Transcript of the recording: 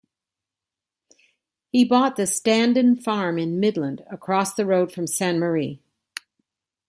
He bought the Standin farm in Midland, across the road from Sainte-Marie.